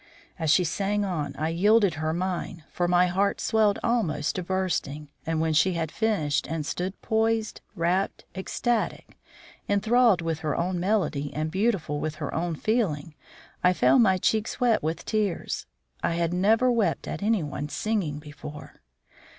As she sang on I yielded her mine, for my heart swelled almost to bursting, and when she had finished and stood poised, rapt, ecstatic, enthralled with her own melody and beautiful with her own feeling, I found my cheeks wet with tears. I had never wept at anyone's singing before.